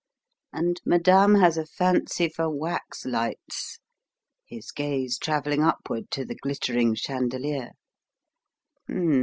And madame has a fancy for waxlights," his gaze travelling upward to the glittering chandelier.